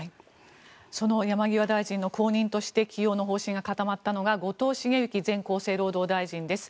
その山際大臣の後任として起用の方針が固まったのが後藤茂之前厚生労働大臣です。